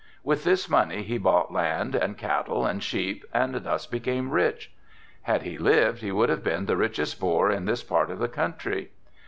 With this money he bought land and cattle and sheep and thus became rich. Had he lived he would have been the richest Boer in this part of the country.